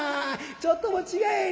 ちょっとも違えへん。